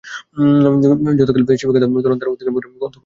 যথাকালে শিবিকাদ্বয় তোরণদ্বার অতিক্রম করিয়া অন্তঃপুরে প্রবেশ করিল।